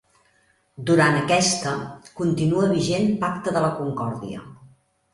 Durant aquesta, continua vigent Pacte de la Concòrdia.